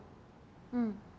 うん。